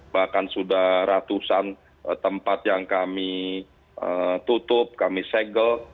bahkan sudah ratusan tempat yang kami tutup kami segel